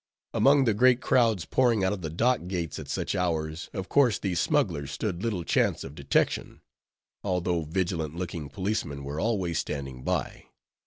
Among the great crowds pouring out of the dock gates at such hours, of course these smugglers stood little chance of detection; although vigilant looking policemen were always standing by.